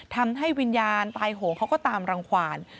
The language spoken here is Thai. ทำให้วิญญาณตายโหงเขาก็ตามรังขวาน